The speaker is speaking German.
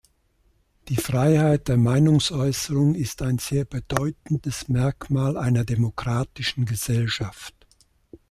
Die Freiheit der Meinungsäußerung ist ein sehr bedeutendes Merkmal einer demokratischen Gesellschaft.